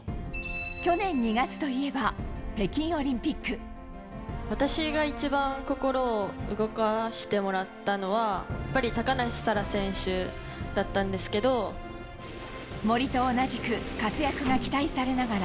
去年２月といえば、北京オリ私が一番、心を動かしてもらったのは、やっぱり高梨沙羅選手だったんで森と同じく、活躍が期待されながら。